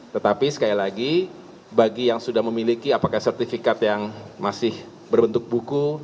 tetapi sekali lagi bagi yang sudah memiliki apakah sertifikat yang masih berbentuk buku